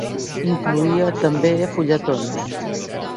Incloïa també fulletons.